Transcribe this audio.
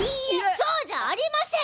そうじゃありません！